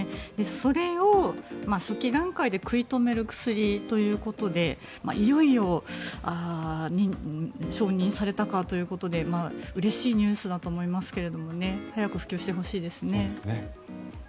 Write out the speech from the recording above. それを初期段階で食い止める薬ということでいよいよ承認されたかということでうれしいニュースだと思いますが早く普及してほしいですね。